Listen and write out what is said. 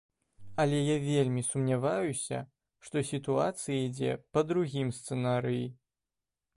Але я вельмі сумняваюся, што сітуацыя ідзе па другім сцэнарыі.